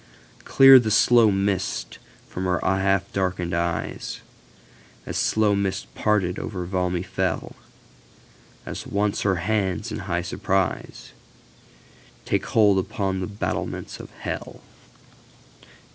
Clear the slow mists from her half darkened eyes, As slow mists parted over Valmy fell, As once again her hands in high surpriseTake hold upon the battlements of Hell.